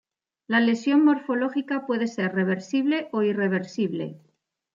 La lesión morfológica puede ser reversible o irreversible.